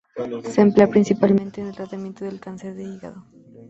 Se emplea principalmente en el tratamiento del cáncer de hígado.